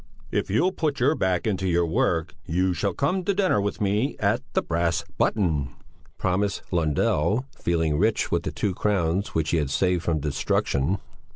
"If you'll put your back into your work, you shall come to dinner with me at the 'Brass Button,'" promised Lundell, feeling rich with the two crowns which he had saved from destruction.